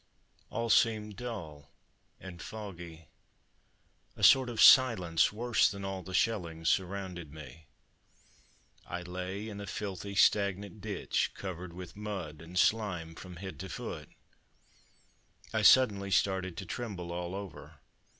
All seemed dull and foggy; a sort of silence, worse than all the shelling, surrounded me. I lay in a filthy stagnant ditch covered with mud and slime from head to foot. I suddenly started to tremble all over.